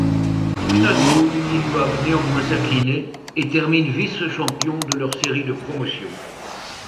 Finalement, ils doivent néanmoins s'incliner, et terminent vice-champions de leur série de Promotion.